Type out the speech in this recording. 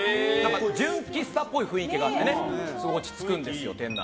純喫茶っぽい雰囲気があって落ち着くんです。